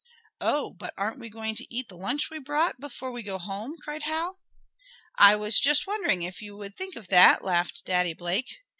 "Oh, but aren't we going to eat the lunch we brought, before we go home?" cried Hal. "I was just wondering if you would think of that!" laughed Daddy Blake.